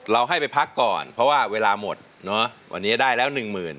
ให้ไปพักก่อนเพราะว่าเวลาหมดเนอะวันนี้ได้แล้วหนึ่งหมื่น